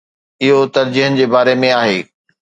اهو ترجيحن جي باري ۾ آهي.